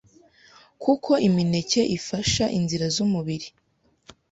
kuko Imineke ifasha inzira z’umubiri